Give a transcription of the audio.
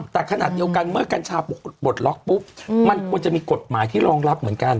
แต่ขนาดเดียวกันเมื่อกัญชาปลดล็อกปุ๊บมันควรจะมีกฎหมายที่รองรับเหมือนกัน